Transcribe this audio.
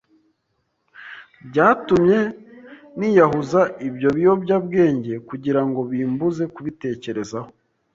Byatumye niyahuza ibyo biyobyabwenge kugira ngo bimbuze kubitekerezaho.